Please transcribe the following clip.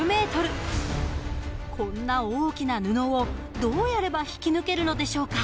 こんな大きな布をどうやれば引き抜けるのでしょうか？